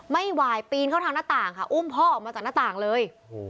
ไม่ไหวปีนเข้าทางหน้าต่างค่ะอุ้มพ่อออกมาจากหน้าต่างเลย